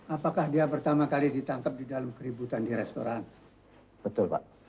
apakah dia pertama kali ditangkap di dalam keributan di restoran betul pak